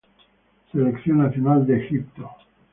Seleccion Nacional Egipto